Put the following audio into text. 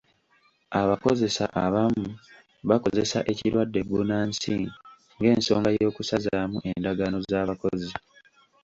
Abakozesa abamu bakozesa ekirwadde bbunansi ng'ensonga y'okusazaamu endagaano z'abakozi.